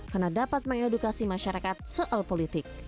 karena dapat mengedukasi masyarakat soal politik